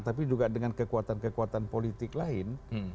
tapi juga dengan kekuatan kekuatan politik lain